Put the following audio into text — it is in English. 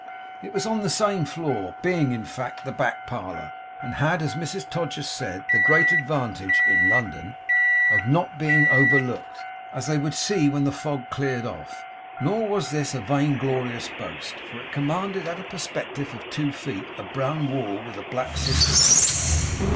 It was on the same floor; being, in fact, the back parlour; and had, as Mrs Todgers said, the great advantage (in London) of not being overlooked; as they would see when the fog cleared off. Nor was this a vainglorious boast, for it commanded at a perspective of two feet, a brown wall with a black cistern on the top.